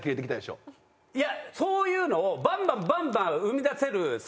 いやそういうのをバンバンバンバン。